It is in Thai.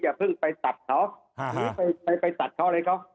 อย่าเพิ่งไปตัดเขาหรือไปตัดเขาอะไรเขา